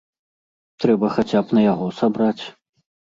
Трэба хаця б на яго сабраць.